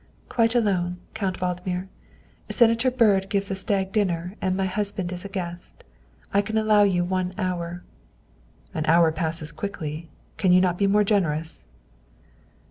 " Quite alone, Count Valdmir. Senator Byrd gives a stag dinner and my husband is a guest. I can allow you one hour." "An hour passes quickly. Can you not be more generous